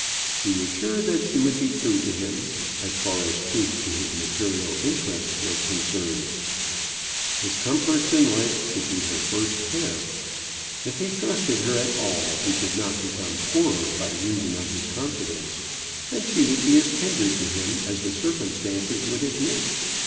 She was sure that she would be true to him, as far as truth to his material interests was concerned. His comforts in life should be her first care. If he trusted her at all, he should not become poorer by reason of his confidence. And she would be as tender to him as the circumstances would admit.